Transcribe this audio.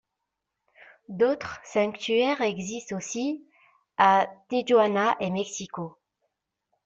D'autres sanctuaires existent aussi à Tijuana et Mexico.